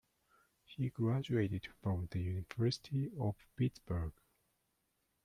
He graduated from the University of Pittsburgh.